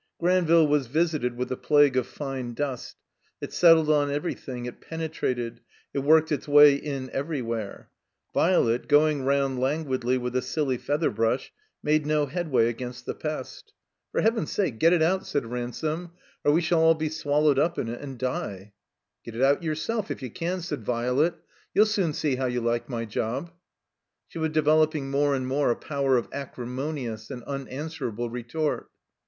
Granville was visited with a plague of fine dust. It settled on everything; it penetrated; it worked its way in ever3rwhere. Violet, going rotmd languidly with a silly feather brush, made no headway against the pest. 164 THE COMBINED MAZE • "For Heaven's sake get it out/' said Ransome, "or we shall all be swallowed up in it and die/' Get it out yourself, if you can," said Violet. "You'll soon see how you like my job." She was developing more and more a power of acrimonious and unanswerable retort.